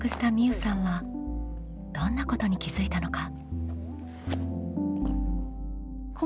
うさんはどんなことに気づいたのか？